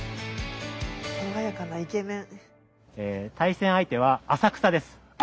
爽やかなイケメン。